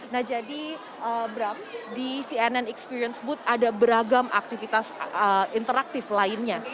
nah jadi bram di cnn experience boot ada beragam aktivitas interaktif lainnya